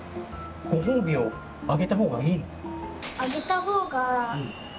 ご褒美をあげた方がいいの？